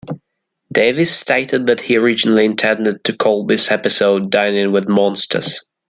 Davies stated that he originally intended to call this episode "Dining with Monsters".